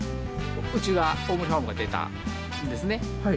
うちが大森ファームが出たんですね。